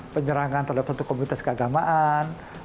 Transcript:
penyerangan terhadap satu komunitas keagamaan